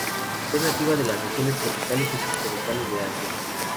Es nativa de las regiones tropicales y subtropicales de Asia.